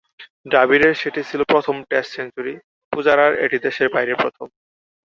দ্রাবিড়ের সেটি ছিল প্রথম টেস্ট সেঞ্চুরি, পূজারার এটি দেশের বাইরে প্রথম।